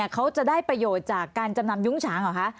เขาจะได้ประโยชน์จากการจำนำยุ้งฉางเหรอคะ